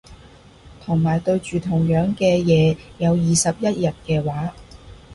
同埋對住同樣嘅嘢有二十一日嘅話